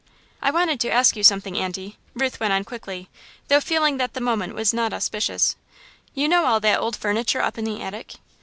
"I wanted to ask you something, Aunty," Ruth went on quickly, though feeling that the moment was not auspicious, "you know all that old furniture up in the attic?"